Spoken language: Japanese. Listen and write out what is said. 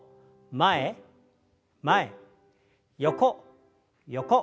前前横横。